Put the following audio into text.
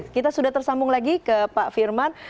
kita sudah tersambung lagi ke pak firman